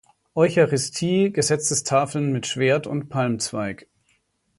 Eucharistie, Gesetzestafeln mit Schwert und Palmzweig.